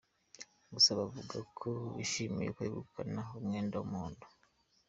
Gusa bavuga ko bishimiye kwegukana umwenda w’umuhondo.